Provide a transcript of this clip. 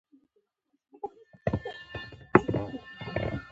د موټر غږ باید نرم وي.